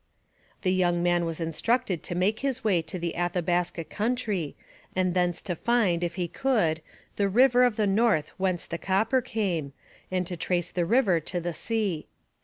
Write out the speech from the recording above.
The young man was instructed to make his way to the Athabaska country and thence to find if he could the river of the north whence the copper came, and to trace the river to the sea.